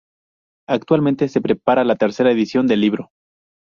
Actualmente se prepara la tercera edición del libro.